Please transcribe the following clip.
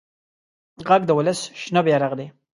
غږ د ولس شنه بېرغ دی